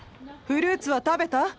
フルーツは食べた？